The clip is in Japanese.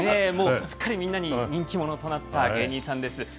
もうすっかりみんなに人気者となった芸人さんです。